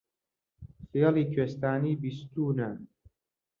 فێڵی کوێستانی بیستوونە